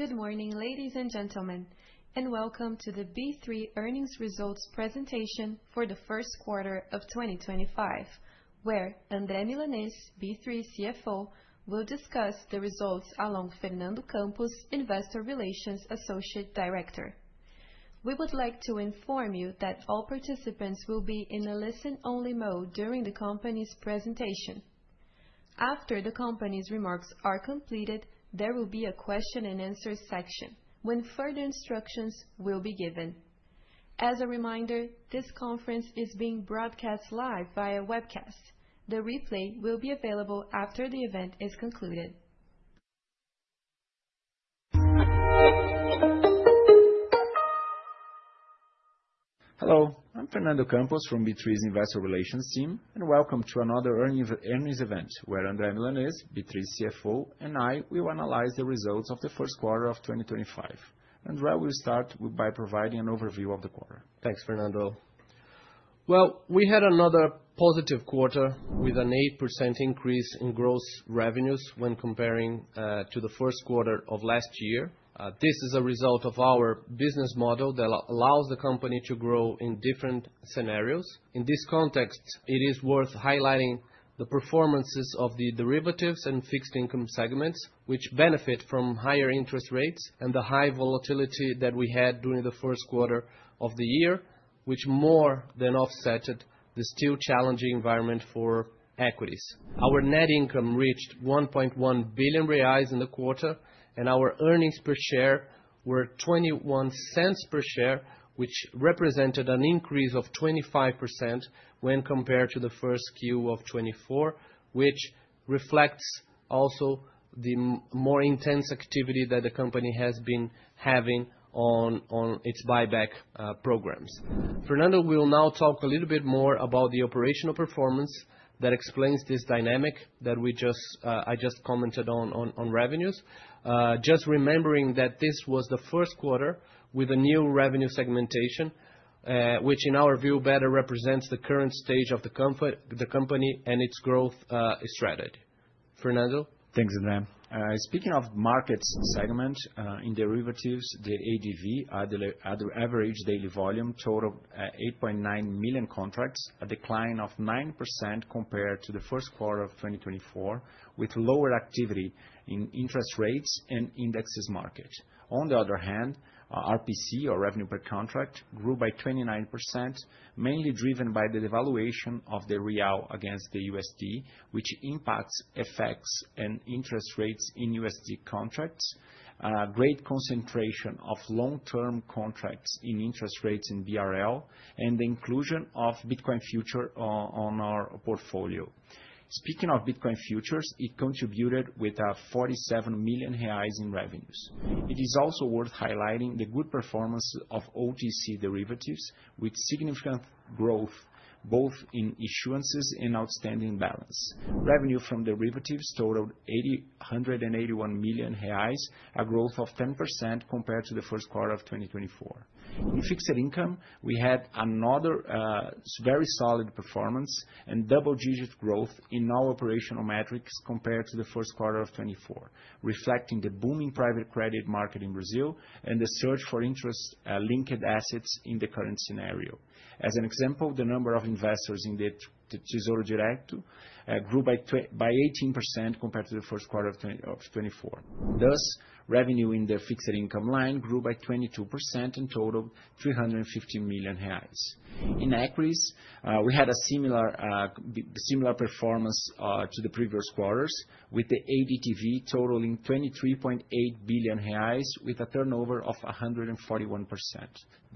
Good morning, ladies and gentlemen, and welcome to the B3 earnings results presentation for the first quarter of 2025, where André Milanez, B3 CFO, will discuss the results along with Fernando Campos, Investor Relations Associate Director. We would like to inform you that all participants will be in a listen-only mode during the company's presentation. After the company's remarks are completed, there will be a question-and-answer section when further instructions will be given. As a reminder, this conference is being broadcast live via webcast. The replay will be available after the event is concluded. Hello, I'm Fernando Campos from B3's Investor Relations team, and welcome to another earnings event where André Milanez, B3 CFO, and I will analyze the results of the first quarter of 2025. André, we'll start by providing an overview of the quarter. Thanks, Fernando. We had another positive quarter with an 8% increase in gross revenues when comparing to the first quarter of last year. This is a result of our business model that allows the company to grow in different scenarios. In this context, it is worth highlighting the performances of the derivatives and fixed income segments, which benefit from higher interest rates and the high volatility that we had during the first quarter of the year, which more than offset the still challenging environment for equities. Our net income reached 1.1 billion reais in the quarter, and our earnings per share were 0.21 per share, which represented an increase of 25% when compared to the first quarter of 2024, which reflects also the more intense activity that the company has been having on its buyback programs. Fernando, we'll now talk a little bit more about the operational performance that explains this dynamic that I just commented on revenues, just remembering that this was the first quarter with a new revenue segmentation, which in our view better represents the current stage of the company and its growth strategy. Fernando? Thanks, for that. Speaking of markets segment, in derivatives, the ADV, the average daily volume, totaled 8.9 million contracts, a decline of 9% compared to the first quarter of 2024, with lower activity in interest rates and indexes market. On the other hand, RPC, or revenue per contract, grew by 29%, mainly driven by the devaluation of the real against the USD, which impacts effects and interest rates in USD contracts, great concentration of long-term contracts in interest rates in BRL, and the inclusion of Bitcoin futures on our portfolio. Speaking of Bitcoin futures, it contributed with 47 million reais in revenues. It is also worth highlighting the good performance of OTC derivatives, with significant growth both in issuances and outstanding balance. Revenue from derivatives totaled 181 million reais, a growth of 10% compared to the first quarter of 2024. In fixed income, we had another very solid performance and double-digit growth in our operational metrics compared to the first quarter of 2024, reflecting the booming private credit market in Brazil and the surge for interest-linked assets in the current scenario. As an example, the number of investors in the Tesouro Direto grew by 18% compared to the first quarter of 2024. Thus, revenue in the fixed income line grew by 22% and totaled 315 million reais. In equities, we had a similar performance to the previous quarters, with the ADTV totaling 23.8 billion reais, with a turnover of 141%.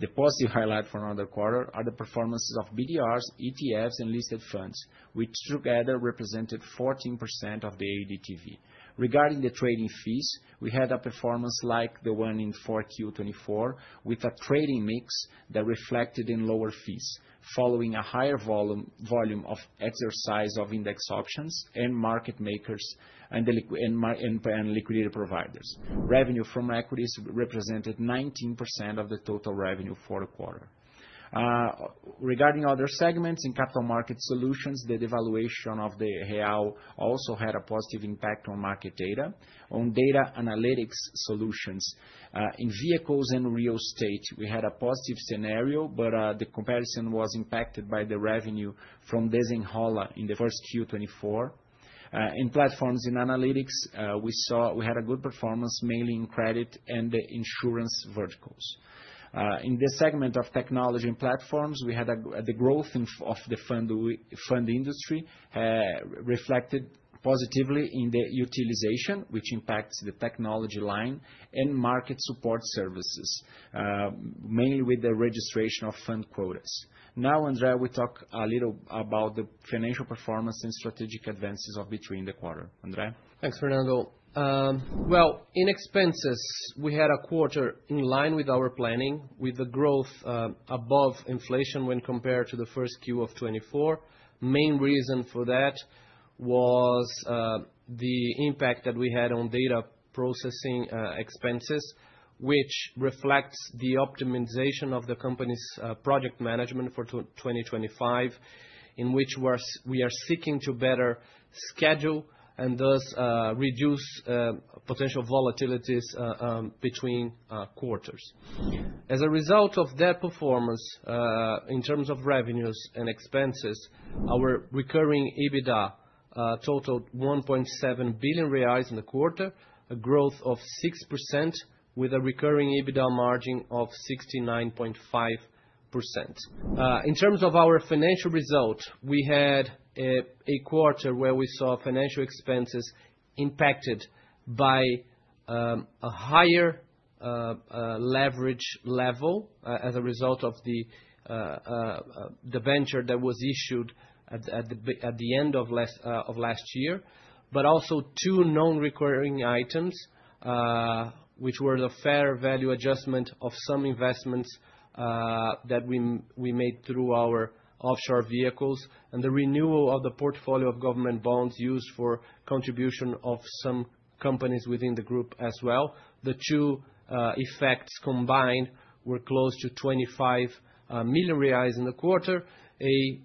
The positive highlight for another quarter are the performances of BDRs, ETFs, and listed funds, which together represented 14% of the ADTV. Regarding the trading fees, we had a performance like the one in Q4 2024, with a trading mix that reflected in lower fees, following a higher volume of exercise of index options and market makers and liquidator providers. Revenue from equities represented 19% of the total revenue for the quarter. Regarding other segments in capital market solutions, the devaluation of the real also had a positive impact on market data. On data analytics solutions, in vehicles and real estate, we had a positive scenario, but the comparison was impacted by the revenue from Desenrola in the first quarter 2024. In platforms and analytics, we had a good performance, mainly in credit and the insurance verticals. In the segment of technology and platforms, we had the growth of the fund industry reflected positively in the utilization, which impacts the technology line and market support services, mainly with the registration of fund quotas. Now, André, we'll talk a little about the financial performance and strategic advances of B3 in the quarter. André? Thanks, Fernando. In expenses, we had a quarter in line with our planning, with the growth above inflation when compared to the first Q of 2024. The main reason for that was the impact that we had on data processing expenses, which reflects the optimization of the company's project management for 2025, in which we are seeking to better schedule and thus reduce potential volatilities between quarters. As a result of that performance, in terms of revenues and expenses, our recurring EBITDA totaled 1.7 billion reais in the quarter, a growth of 6%, with a recurring EBITDA margin of 69.5%. In terms of our financial result, we had a quarter where we saw financial expenses impacted by a higher leverage level as a result of the venture that was issued at the end of last year, but also two non-recurring items, which were the fair value adjustment of some investments that we made through our offshore vehicles and the renewal of the portfolio of government bonds used for contribution of some companies within the group as well. The two effects combined were close to 25 million reais in the quarter, an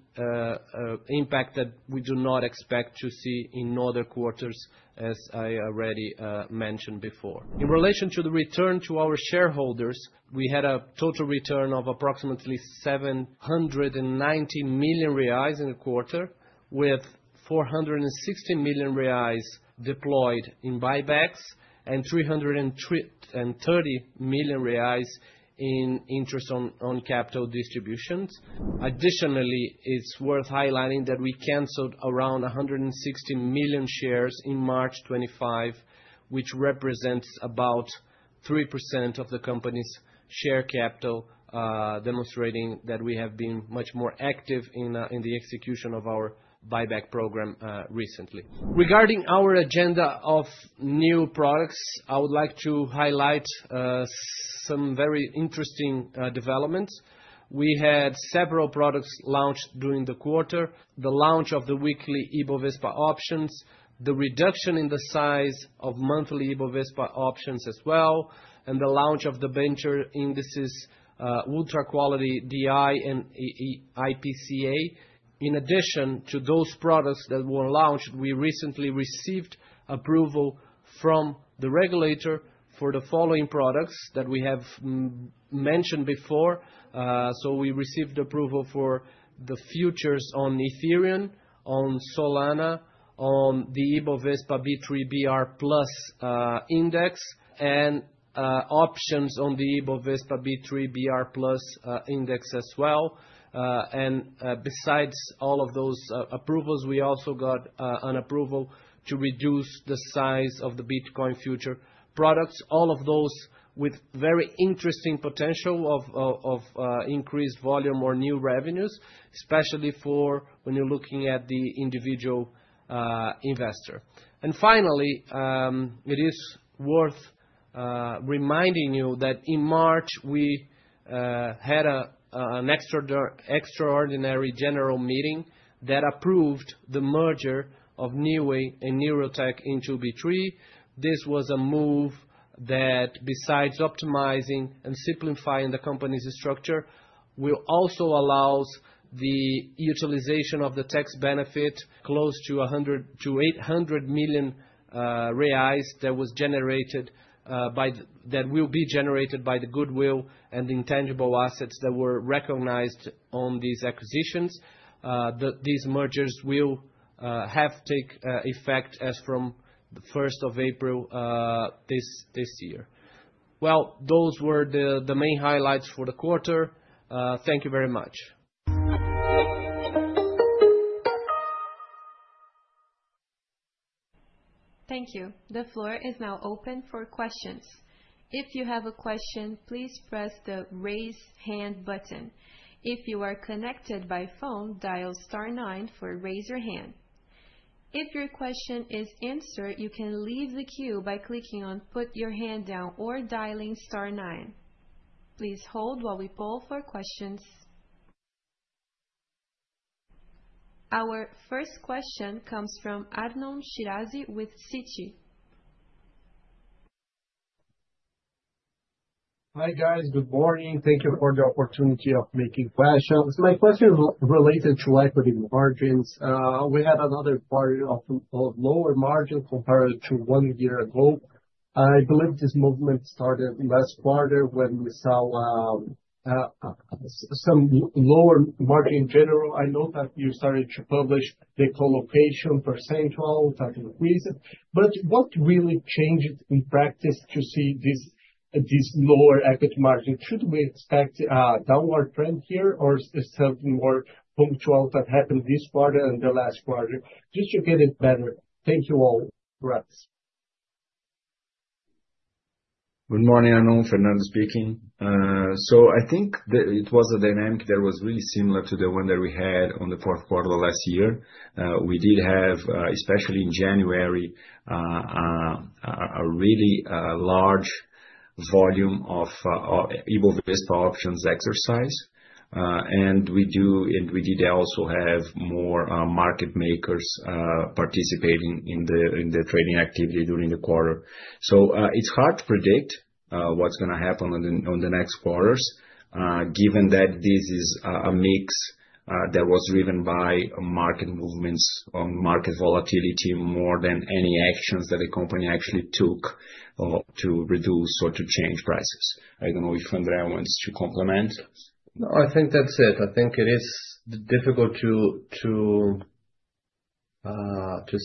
impact that we do not expect to see in other quarters, as I already mentioned before. In relation to the return to our shareholders, we had a total return of approximately 790 million reais in the quarter, with 460 million reais deployed in buybacks and 330 million reais in interest on capital distributions. Additionally, it's worth highlighting that we canceled around 160 million shares in March 2025, which represents about 3% of the company's share capital, demonstrating that we have been much more active in the execution of our buyback program recently. Regarding our agenda of new products, I would like to highlight some very interesting developments. We had several products launched during the quarter: the launch of the weekly Ibovespa options, the reduction in the size of monthly Ibovespa options as well, and the launch of the venture indices Ultra Quality DI and IPCA. In addition to those products that were launched, we recently received approval from the regulator for the following products that we have mentioned before. We received approval for the futures on Ethereum, on Solana, on the Ibovespa B3 BR+ index, and options on the Ibovespa B3 BR+ index as well. Besides all of those approvals, we also got an approval to reduce the size of the Bitcoin futures products, all of those with very interesting potential of increased volume or new revenues, especially for when you're looking at the individual investor. Finally, it is worth reminding you that in March, we had an extraordinary general meeting that approved the merger of Newway and NeuroTech into B3. This was a move that, besides optimizing and simplifying the company's structure, also allows the utilization of the tax benefit close to 800 million reais that was generated by, that will be generated by, the goodwill and intangible assets that were recognized on these acquisitions. These mergers will take effect as from the 1st of April this year. Those were the main highlights for the quarter. Thank you very much. Thank you. The floor is now open for questions. If you have a question, please press the raise hand button. If you are connected by phone, dial star nine to raise your hand. If your question is answered, you can leave the queue by clicking on put your hand down or dialing star nine. Please hold while we poll for questions. Our first question comes from Arnon Shirazi with Citi. Hi guys, good morning. Thank you for the opportunity of making questions. My question is related to equity margins. We had another quarter of lower margin compared to one year ago. I believe this movement started last quarter when we saw some lower margin in general. I know that you started to publish the collocation percentile that increases. What really changed in practice to see this lower equity margin? Should we expect a downward trend here or something more punctual that happened this quarter and the last quarter? Just to get it better. Thank you all for us. Good morning, Arnon. Fernando speaking. I think it was a dynamic that was really similar to the one that we had on the fourth quarter last year. We did have, especially in January, a really large volume of Ibovespa options exercise. We do, and we did also have more market makers participating in the trading activity during the quarter. It is hard to predict what is going to happen on the next quarters, given that this is a mix that was driven by market movements on market volatility more than any actions that the company actually took to reduce or to change prices. I do not know if André wants to complement. No, I think that's it. I think it is difficult to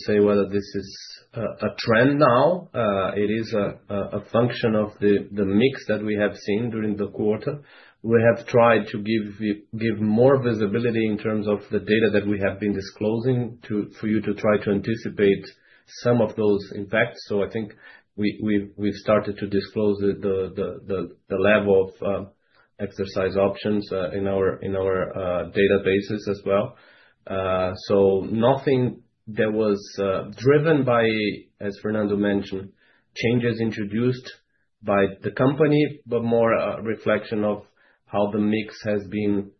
say whether this is a trend now. It is a function of the mix that we have seen during the quarter. We have tried to give more visibility in terms of the data that we have been disclosing for you to try to anticipate some of those impacts. I think we've started to disclose the level of exercise options in our databases as well. Nothing that was driven by, as Fernando mentioned, changes introduced by the company, but more a reflection of how the mix has been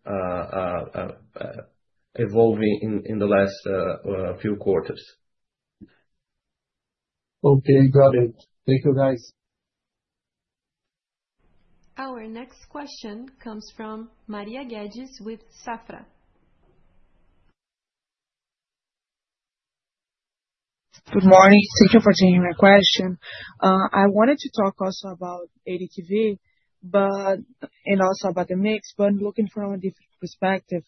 evolving in the last few quarters. Okay, got it. Thank you, guys. Our next question comes from Maria Guedes with Safra. Good morning. Thank you for taking my question. I wanted to talk also about ADTV and also about the mix, but I'm looking from a different perspective.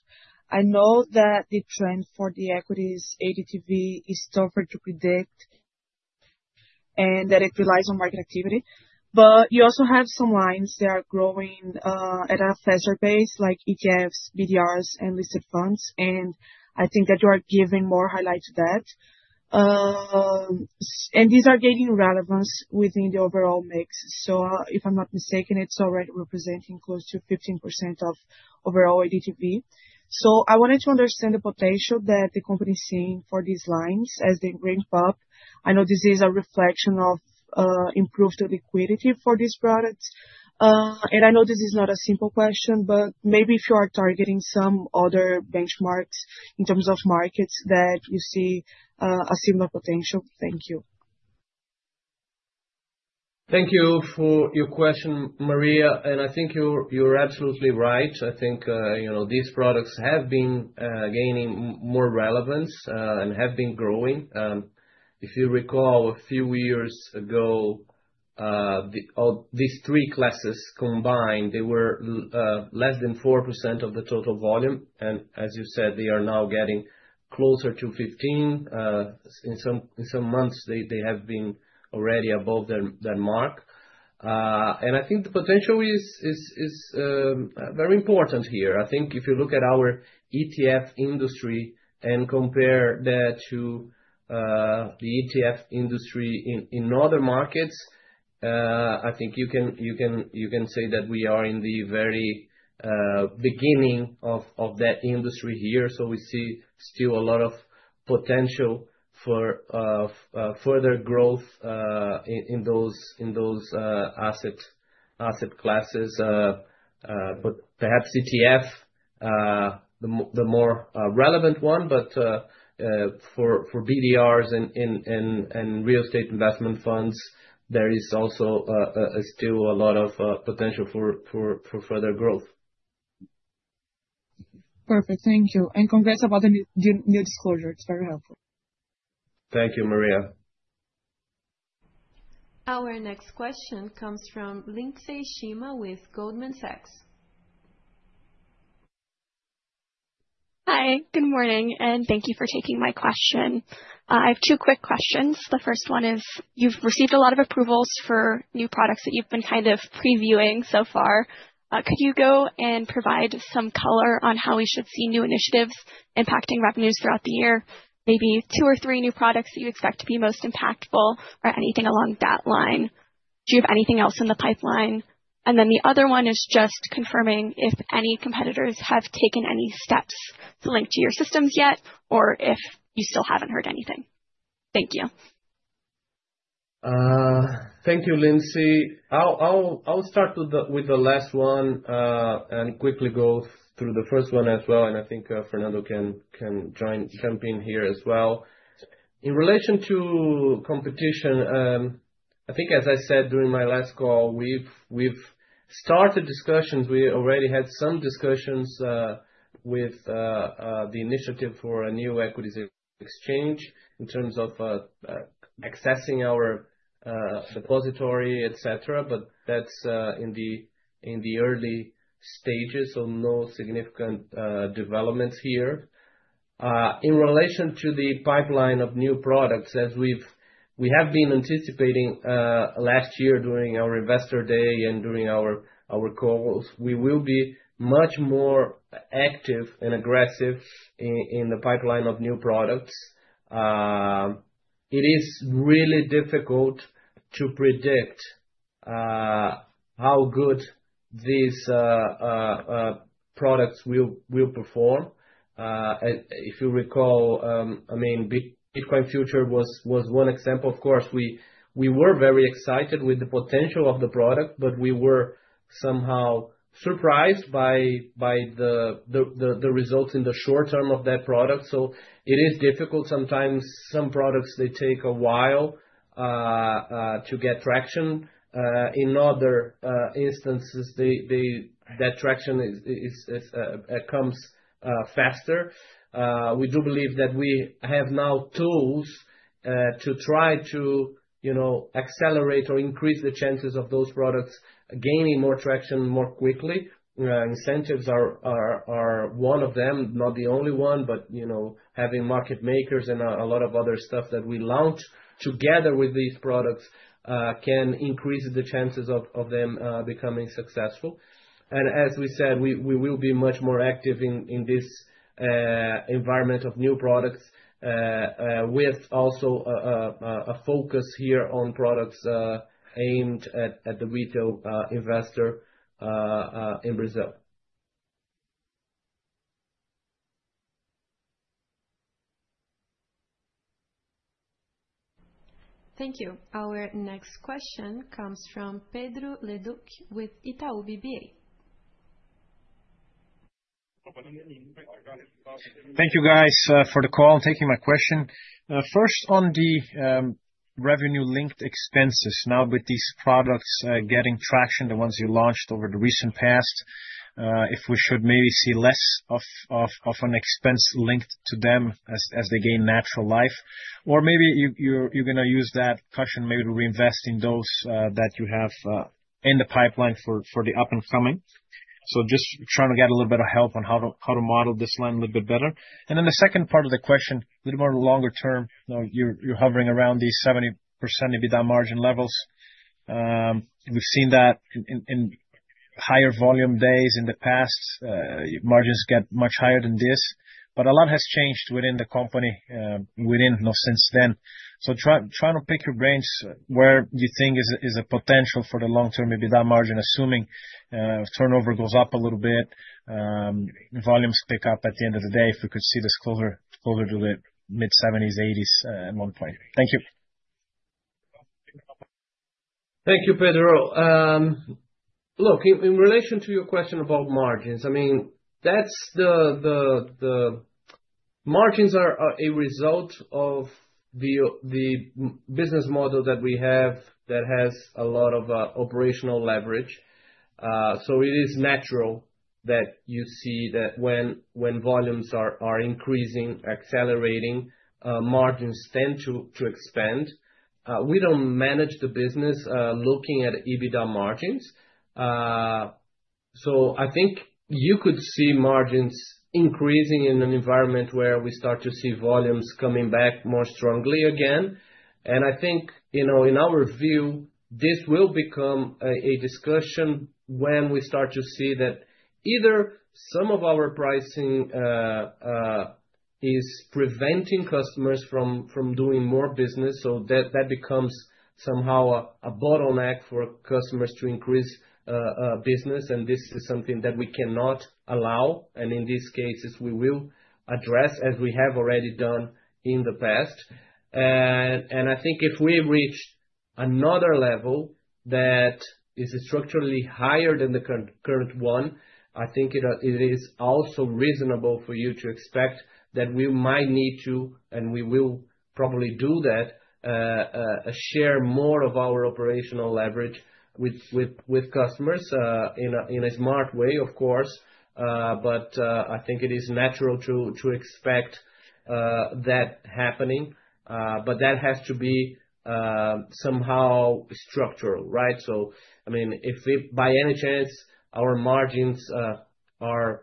I know that the trend for the equities ADTV is tougher to predict and that it relies on market activity. You also have some lines that are growing at a faster pace, like ETFs, BDRs, and listed funds. I think that you are giving more highlight to that. These are gaining relevance within the overall mix. If I'm not mistaken, it's already representing close to 15% of overall ADTV. I wanted to understand the potential that the company is seeing for these lines as they ramp up. I know this is a reflection of improved liquidity for these products. I know this is not a simple question, but maybe if you are targeting some other benchmarks in terms of markets that you see a similar potential. Thank you. Thank you for your question, Maria. I think you're absolutely right. I think these products have been gaining more relevance and have been growing. If you recall a few years ago, these three classes combined, they were less than 4% of the total volume. As you said, they are now getting closer to 15%. In some months, they have been already above that mark. I think the potential is very important here. I think if you look at our ETF industry and compare that to the ETF industry in other markets, you can say that we are in the very beginning of that industry here. We see still a lot of potential for further growth in those asset classes. Perhaps ETF, the more relevant one, but for BDRs and real estate investment funds, there is also still a lot of potential for further growth. Perfect. Thank you. Congrats about the new disclosure. It's very helpful. Thank you, Maria. Our next question comes from Linsei Shima with Goldman Sachs. Hi, good morning, and thank you for taking my question. I have two quick questions. The first one is, you've received a lot of approvals for new products that you've been kind of previewing so far. Could you go and provide some color on how we should see new initiatives impacting revenues throughout the year? Maybe two or three new products that you expect to be most impactful or anything along that line. Do you have anything else in the pipeline? The other one is just confirming if any competitors have taken any steps to link to your systems yet or if you still haven't heard anything. Thank you. Thank you, Linsei. I'll start with the last one and quickly go through the first one as well. I think Fernando can jump in here as well. In relation to competition, I think, as I said during my last call, we've started discussions. We already had some discussions with the initiative for a new equities exchange in terms of accessing our repository, etc., but that's in the early stages, so no significant developments here. In relation to the pipeline of new products, as we have been anticipating last year during our investor day and during our calls, we will be much more active and aggressive in the pipeline of new products. It is really difficult to predict how good these products will perform. If you recall, I mean, Bitcoin futures was one example. Of course, we were very excited with the potential of the product, but we were somehow surprised by the results in the short term of that product. It is difficult. Sometimes some products, they take a while to get traction. In other instances, that traction comes faster. We do believe that we have now tools to try to accelerate or increase the chances of those products gaining more traction more quickly. Incentives are one of them, not the only one, but having market makers and a lot of other stuff that we launch together with these products can increase the chances of them becoming successful. As we said, we will be much more active in this environment of new products with also a focus here on products aimed at the retail investor in Brazil. Thank you. Our next question comes from Pedro Le Duc with Itaú BBA. Thank you, guys, for the call and taking my question. First, on the revenue-linked expenses, now with these products getting traction, the ones you launched over the recent past, if we should maybe see less of an expense linked to them as they gain natural life, or maybe you're going to use that cushion maybe to reinvest in those that you have in the pipeline for the up-and-coming. Just trying to get a little bit of help on how to model this line a little bit better. The second part of the question, a little more longer term, you're hovering around these 70% EBITDA margin levels. We've seen that in higher volume days in the past, margins get much higher than this, but a lot has changed within the company since then. Trying to pick your brains where you think is a potential for the long-term EBITDA margin, assuming turnover goes up a little bit, volumes pick up at the end of the day, if we could see this closer to the mid-70s, 80s at one point. Thank you. Thank you, Pedro. Look, in relation to your question about margins, I mean, margins are a result of the business model that we have that has a lot of operational leverage. It is natural that you see that when volumes are increasing, accelerating, margins tend to expand. We do not manage the business looking at EBITDA margins. I think you could see margins increasing in an environment where we start to see volumes coming back more strongly again. I think in our view, this will become a discussion when we start to see that either some of our pricing is preventing customers from doing more business, so that becomes somehow a bottleneck for customers to increase business, and this is something that we cannot allow. In these cases, we will address, as we have already done in the past. I think if we reach another level that is structurally higher than the current one, I think it is also reasonable for you to expect that we might need to, and we will probably do that, share more of our operational leverage with customers in a smart way, of course. I think it is natural to expect that happening. That has to be somehow structural, right? I mean, if by any chance our margins are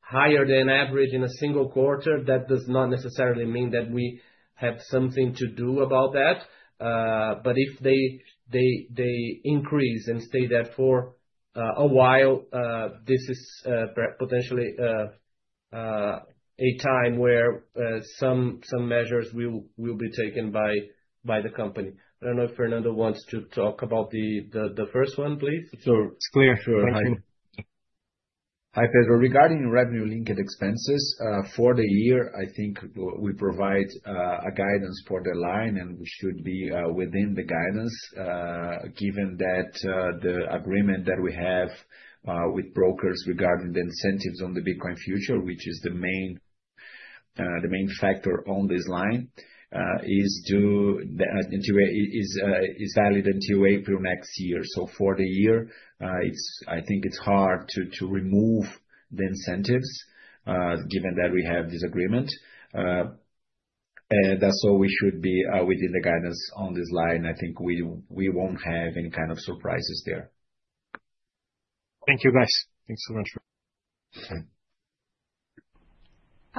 higher than average in a single quarter, that does not necessarily mean that we have something to do about that. If they increase and stay that for a while, this is potentially a time where some measures will be taken by the company. I do not know if Fernando wants to talk about the first one, please. Sure. It's clear. Sure. Thank you. Hi, Pedro. Regarding revenue-linked expenses for the year, I think we provide a guidance for the line, and we should be within the guidance given that the agreement that we have with brokers regarding the incentives on the Bitcoin futures, which is the main factor on this line, is valid until April next year. For the year, I think it's hard to remove the incentives given that we have this agreement. That's why we should be within the guidance on this line. I think we won't have any kind of surprises there. Thank you, guys. Thanks so much.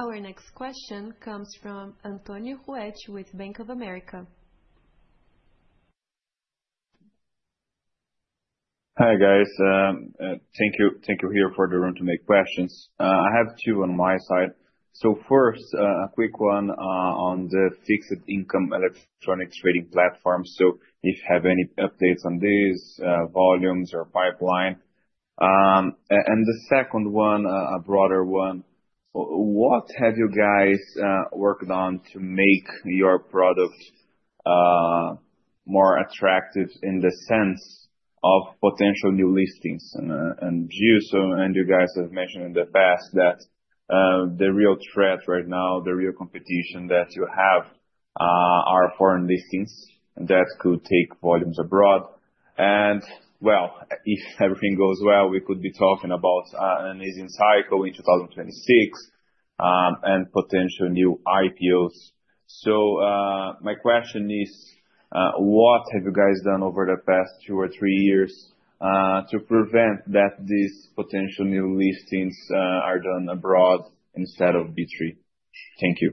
Our next question comes from Antonio Huetche with Bank of America. Hi, guys. Thank you here for the room to make questions. I have two on my side. First, a quick one on the fixed income electronic trading platform. If you have any updates on these volumes or pipeline. The second one, a broader one. What have you guys worked on to make your product more attractive in the sense of potential new listings? You guys have mentioned in the past that the real threat right now, the real competition that you have are foreign listings that could take volumes abroad. If everything goes well, we could be talking about an easing cycle in 2026 and potential new IPOs. My question is, what have you guys done over the past two or three years to prevent that these potential new listings are done abroad instead of B3? Thank you.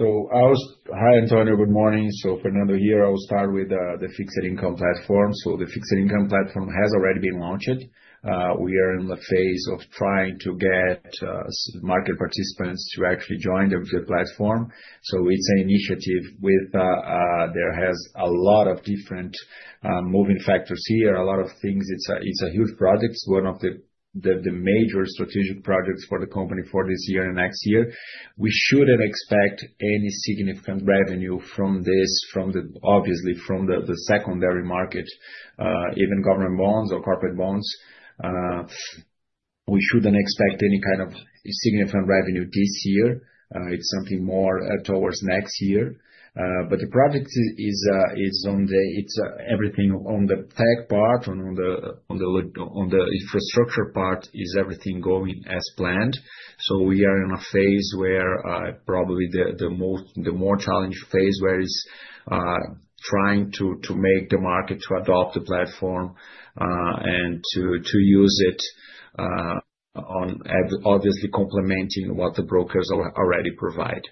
Hi, Antonio. Good morning. Fernando here. I will start with the fixed income platform. The fixed income platform has already been launched. We are in the phase of trying to get market participants to actually join the platform. It is an initiative with a lot of different moving factors here, a lot of things. It is a huge project. It is one of the major strategic projects for the company for this year and next year. We should not expect any significant revenue from this, obviously, from the secondary market, even government bonds or corporate bonds. We should not expect any kind of significant revenue this year. It is something more towards next year. The project is on the tech part and on the infrastructure part, and everything is going as planned. We are in a phase where probably the more challenged phase where it is trying to make the market adopt the platform and to use it, obviously complementing what the brokers already provide.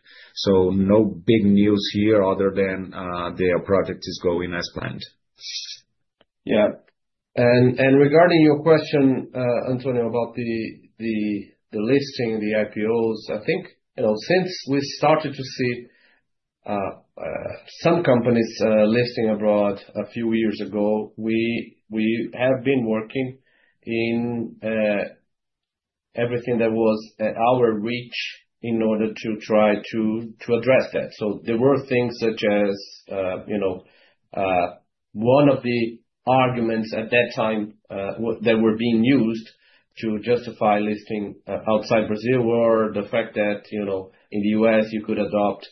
No big news here other than their project is going as planned. Yeah. Regarding your question, Antonio, about the listing, the IPOs, I think since we started to see some companies listing abroad a few years ago, we have been working in everything that was at our reach in order to try to address that. There were things such as one of the arguments at that time that were being used to justify listing outside Brazil were the fact that in the US, you could adopt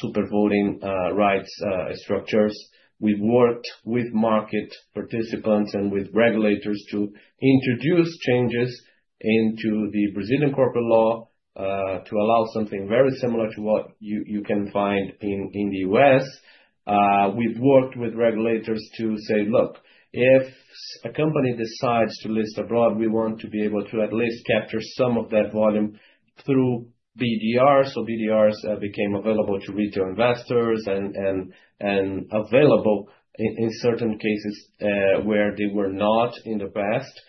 super voting rights structures. We've worked with market participants and with regulators to introduce changes into the Brazilian corporate law to allow something very similar to what you can find in the US. We've worked with regulators to say, "Look, if a company decides to list abroad, we want to be able to at least capture some of that volume through BDRs." BDRs became available to retail investors and available in certain cases where they were not in the past.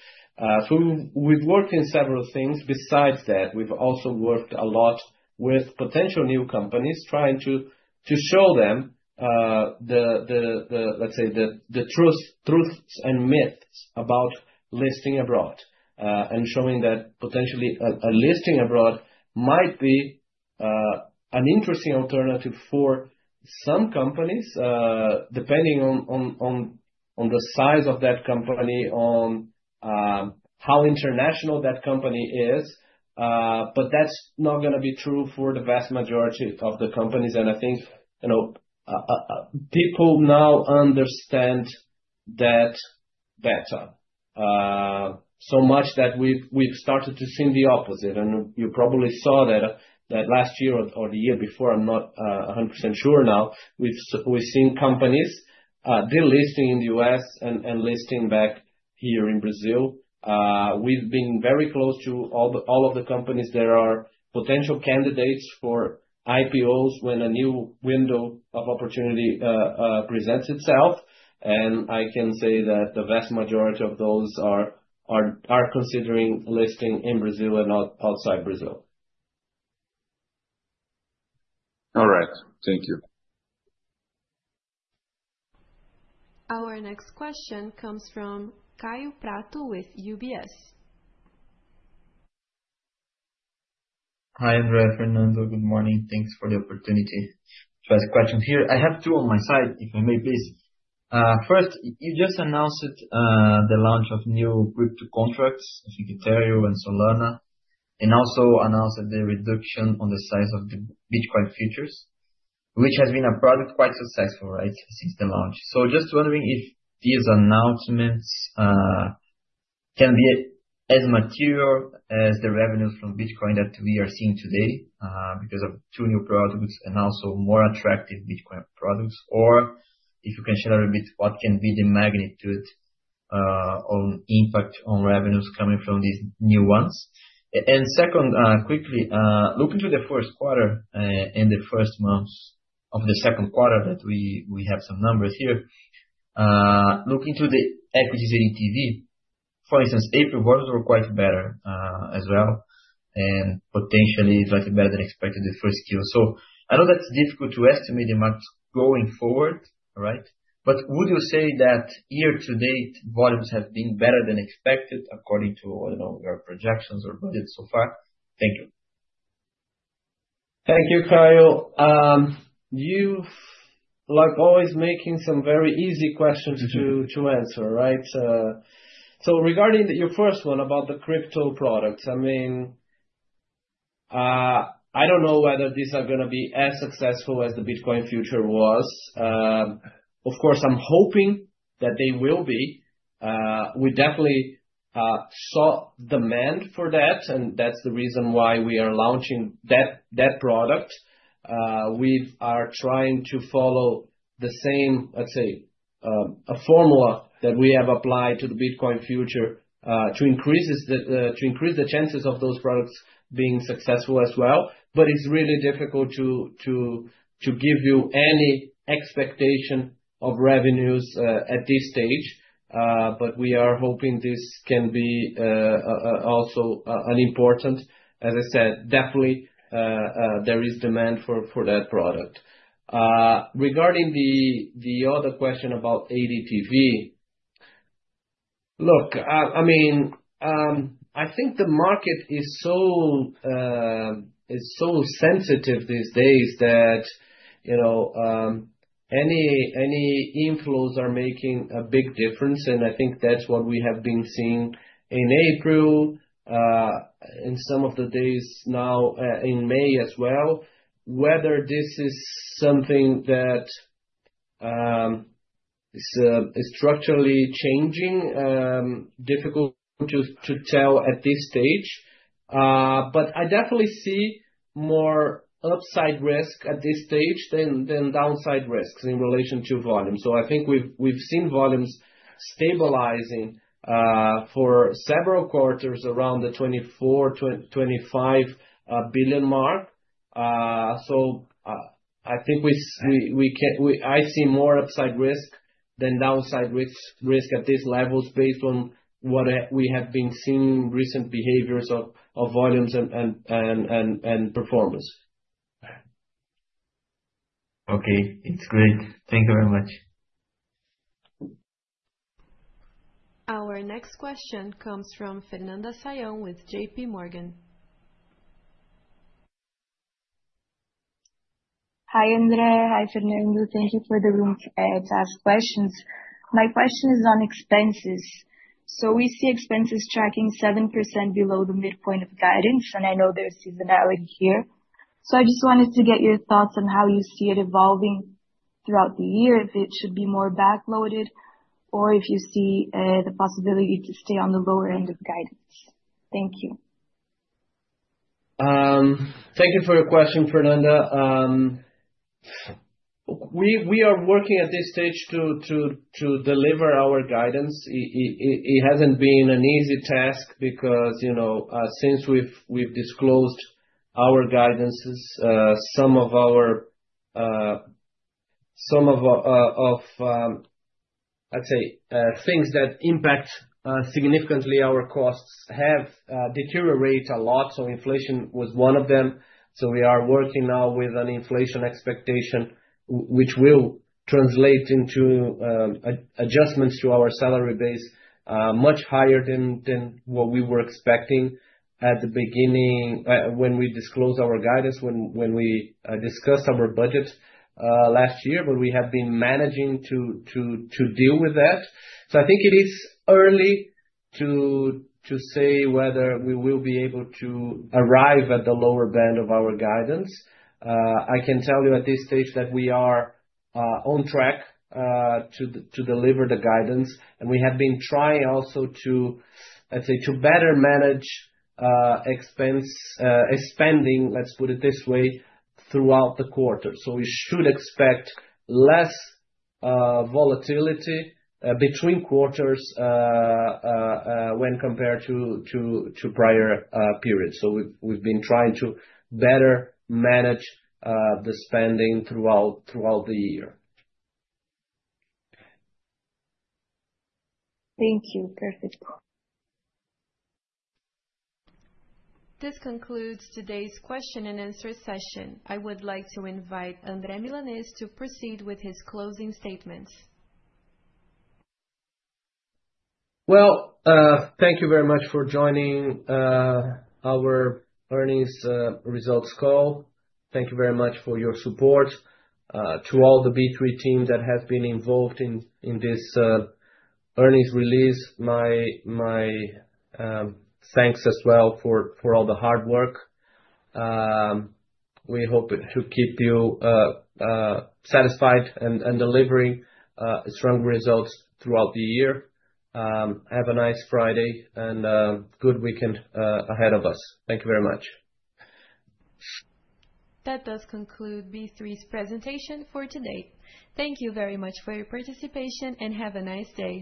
We've worked in several things. Besides that, we've also worked a lot with potential new companies trying to show them, let's say, the truths and myths about listing abroad and showing that potentially a listing abroad might be an interesting alternative for some companies, depending on the size of that company, on how international that company is. That is not going to be true for the vast majority of the companies. I think people now understand that better so much that we have started to see the opposite. You probably saw that last year or the year before. I am not 100% sure now. We have seen companies delisting in the US and listing back here in Brazil. We have been very close to all of the companies that are potential candidates for IPOs when a new window of opportunity presents itself. I can say that the vast majority of those are considering listing in Brazil and outside Brazil. All right. Thank you. Our next question comes from Caio Prato with UBS. Hi, André, Fernando. Good morning. Thanks for the opportunity to ask questions here. I have two on my side, if I may, please. First, you just announced the launch of new crypto contracts of Ethereum and Solana, and also announced the reduction on the size of the Bitcoin futures, which has been a product quite successful, right, since the launch. Just wondering if these announcements can be as material as the revenues from Bitcoin that we are seeing today because of two new products and also more attractive Bitcoin products, or if you can share a little bit what can be the magnitude of impact on revenues coming from these new ones. Second, quickly, looking to the first quarter and the first months of the second quarter that we have some numbers here, looking to the equities and ETF, for instance, April was quite better as well and potentially slightly better than expected the first year. I know that's difficult to estimate the market going forward, right? Would you say that year-to-date volumes have been better than expected according to your projections or budgets so far? Thank you. Thank you, Caio. You, like always, making some very easy questions to answer, right? Regarding your first one about the crypto products, I mean, I do not know whether these are going to be as successful as the Bitcoin future was. Of course, I am hoping that they will be. We definitely saw demand for that, and that is the reason why we are launching that product. We are trying to follow the same, let us say, formula that we have applied to the Bitcoin future to increase the chances of those products being successful as well. It is really difficult to give you any expectation of revenues at this stage. We are hoping this can be also an important. As I said, definitely, there is demand for that product. Regarding the other question about ADTV, look, I mean, I think the market is so sensitive these days that any inflows are making a big difference. I think that's what we have been seeing in April, in some of the days now in May as well. Whether this is something that is structurally changing, difficult to tell at this stage. I definitely see more upside risk at this stage than downside risks in relation to volume. I think we've seen volumes stabilizing for several quarters around the 24 billion-25 billion mark. I think I see more upside risk than downside risk at these levels based on what we have been seeing in recent behaviors of volumes and performance. Okay. It's great. Thank you very much. Our next question comes from Fernando Sayão with JPMorgan. Hi, André. Hi, Fernando. Thank you for the room to ask questions. My question is on expenses. We see expenses tracking 7% below the midpoint of guidance, and I know there is seasonality here. I just wanted to get your thoughts on how you see it evolving throughout the year, if it should be more backloaded, or if you see the possibility to stay on the lower end of guidance. Thank you. Thank you for your question, Fernando. We are working at this stage to deliver our guidance. It has not been an easy task because since we have disclosed our guidances, some of, I would say, things that impact significantly our costs have deteriorated a lot. Inflation was one of them. We are working now with an inflation expectation, which will translate into adjustments to our salary base much higher than what we were expecting at the beginning when we disclosed our guidance, when we discussed our budget last year. We have been managing to deal with that. I think it is early to say whether we will be able to arrive at the lower band of our guidance. I can tell you at this stage that we are on track to deliver the guidance. We have been trying also to, let's say, to better manage spending, let's put it this way, throughout the quarter. We should expect less volatility between quarters when compared to prior periods. We have been trying to better manage the spending throughout the year. Thank you. Perfect. This concludes today's question and answer session. I would like to invite André Milanez to proceed with his closing statements. Thank you very much for joining our earnings results call. Thank you very much for your support to all the B3 team that has been involved in this earnings release. My thanks as well for all the hard work. We hope to keep you satisfied and delivering strong results throughout the year. Have a nice Friday and good weekend ahead of us. Thank you very much. That does conclude B3's presentation for today. Thank you very much for your participation and have a nice day.